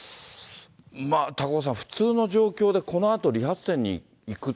高岡さん、普通の状況で、このあと、理髪店に行く。